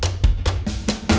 ya aku sama